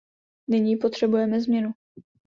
Nyní potřebujeme změnu.